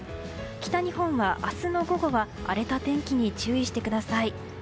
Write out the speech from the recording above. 北日本は明日の午後は荒れた天気に注意してください。